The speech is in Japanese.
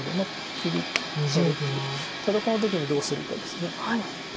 切り打たれてただこの時にどうするかです。